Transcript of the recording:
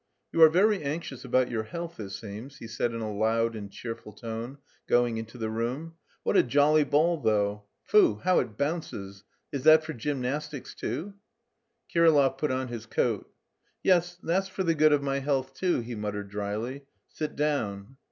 "You are very anxious about your health, it seems," he said in a loud and cheerful tone, going into the room. "What a jolly ball, though; foo, how it bounces! Is that for gymnastics too?" Kirillov put on his coat. "Yes, that's for the good of my health too," he muttered dryly. "Sit down."